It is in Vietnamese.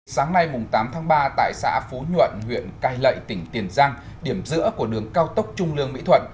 sáng nay tám tháng ba tại xã phú nhuận huyện cai lệ tỉnh tiền giang điểm giữa của đường cao tốc trung lương mỹ thuận